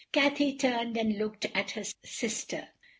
Cathay turned and looked at her sister.